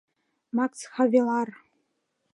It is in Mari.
“МАКС ХАВЕЛААР”